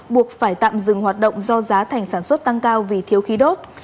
buộc phải tạm dừng hoạt động do giá thành sản xuất tăng cao vì thiếu khí đốt